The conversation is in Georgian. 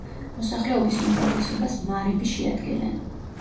მოსახლეობის უმრავლესობას მარები შეადგენენ.